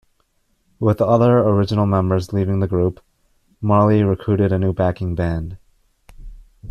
With the other original members leaving the group, Marley recruited a new backing band.